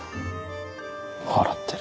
笑ってる。